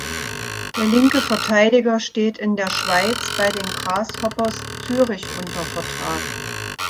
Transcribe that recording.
Der linke Verteidiger steht in der Schweiz bei den Grasshoppers Zürich unter Vertrag.